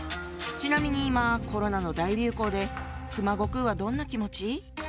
ちなみに今コロナの大流行で熊悟空はどんな気持ち？